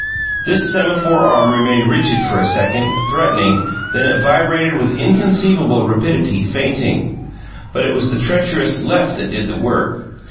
This semaphore arm remained rigid for a second, threatening; then it vibrated with inconceivable rapidity, feinting. But it was the treacherous left that did the work.